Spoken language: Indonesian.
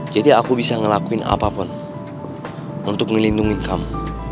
jadi aku bisa ngelakuin apapun untuk ngelindungi kamu